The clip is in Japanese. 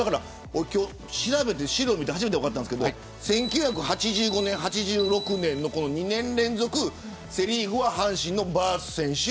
今日調べて資料を見て初めて分かったんですが１９８５年、８６年の２年連続セ・リーグは阪神のバース選手